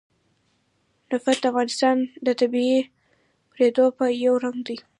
نفت د افغانستان د طبیعي پدیدو یو رنګ دی.